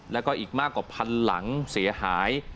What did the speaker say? แล้วก็อีกมากกว่าพันหลังเสียหาย